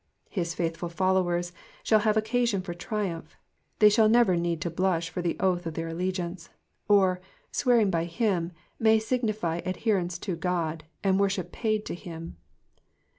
'''' His faithful followers shall have occasion for triumph ; they shall never need to blush for the oath of their allegiance. Or, swearing by Aim,'* may signify adherence to Qody and worship paid to him.